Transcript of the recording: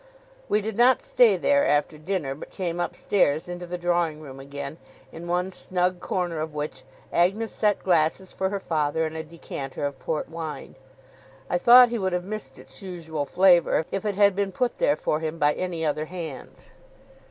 We did not stay there, after dinner, but came upstairs into the drawing room again: in one snug corner of which, Agnes set glasses for her father, and a decanter of port wine. I thought he would have missed its usual flavour, if it had been put there for him by any other hands.